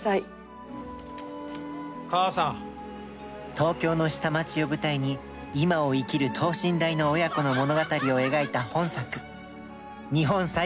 東京の下町を舞台にいまを生きる等身大の親子の物語を描いた本作。